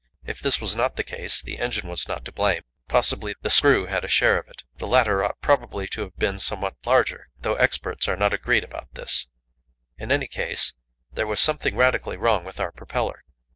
If this was not the case, the engine was not to blame; possibly, the screw had a share of it. The latter ought probably to have been somewhat larger, though experts are not agreed about this; in any case, there was something radically wrong with our propeller.